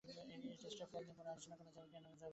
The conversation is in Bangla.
এই টেস্টের ফল নিয়ে পরে আলোচনা করা যাবে।